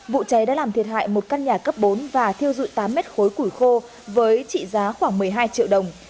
vụ cháy đã làm thiệt hại một căn nhà cấp bốn và thiêu dụi tám mét khối củi khô với trị giá khoảng một mươi hai triệu đồng